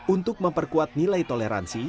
untuk memperkuat nilai toleransi